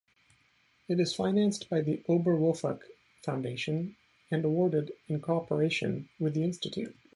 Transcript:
It is financed by the Oberwolfach Foundation and awarded in cooperation with the institute.